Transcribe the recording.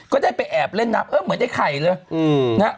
ก็ได้ไปแอบเล่นน้ำเหมือนได้ไข่เลย